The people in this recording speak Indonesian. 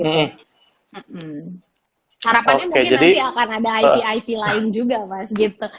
harapannya mungkin nanti akan ada ip it lain juga mas gitu